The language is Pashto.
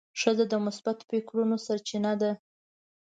ښځه د مثبت فکرونو سرچینه ده.